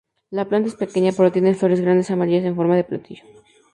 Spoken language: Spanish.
La planta es pequeña, pero tiene flores grandes, amarillas, en forma de platillo.